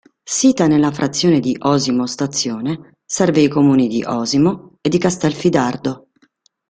Sita nella frazione di Osimo Stazione, serve i comuni di Osimo e di Castelfidardo.